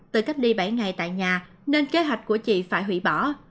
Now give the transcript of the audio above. từ cách đi bảy ngày tại nhà nên kế hoạch của chị phải hủy bỏ